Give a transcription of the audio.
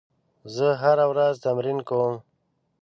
زه هره ورځ تمرین کوم.